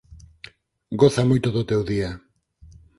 Goza moito do teu día!